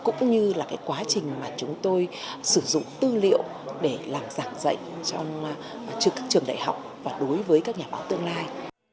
cũng như là cái quá trình mà chúng tôi sử dụng tư liệu để làm giảng dạy trước các trường đại học và đối với các nhà báo tương lai